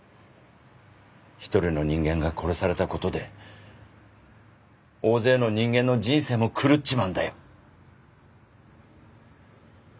一人の人間が殺されたことで大勢の人間の人生も狂っちまうんだよ。